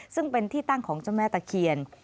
ซึ่งเป็นที่ตั้งของเจ้าแม่ตะเคียน